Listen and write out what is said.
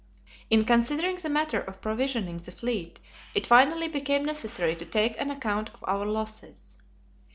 In considering the matter of provisioning the fleet it finally became necessary to take an account of our losses.